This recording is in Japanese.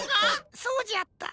そうじゃった。